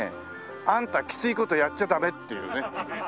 「あんたきつい事やっちゃダメ」っていうね。